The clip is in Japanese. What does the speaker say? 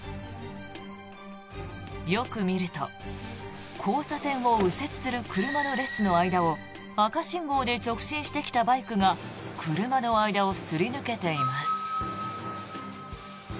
よく見ると交差点を右折する車の列の間を赤信号で直進してきたバイクが車の間をすり抜けています。